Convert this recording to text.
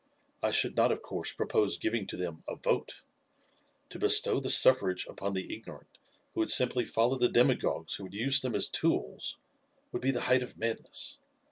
I should not, of course, propose giving to them a vote; to bestow the suffrage upon the ignorant, who would simply follow the demagogues who would use them as tools, would be the height of madness.